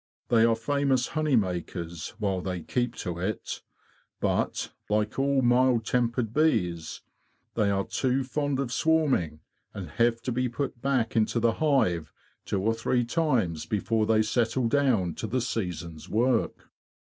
They are famous honey makers, while they keep to it; but, like all mild tempered bees, they are too fond of swarming, and have to be put back into the hive two or three times before they settle down to the season's work."